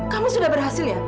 kamu sudah berhasil ya